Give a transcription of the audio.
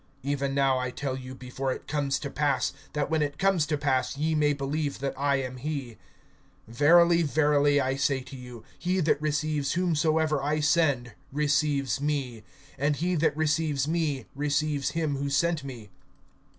(19)Even now I tell you, before it comes to pass, that when it comes to pass, ye may believe that I am he. (20)Verily, verily, I say to you, he that receives whomsoever I send receives me; and he that receives me receives him who sent me.